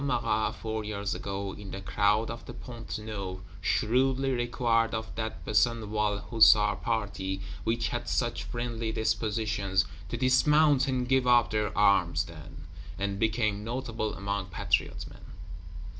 Marat," four years ago, in the crowd of the Pont Neuf, shrewdly required of that Besenval Hussar party, which had such friendly dispositions, "to dismount, and give up their arms, then"; and became notable among Patriot men.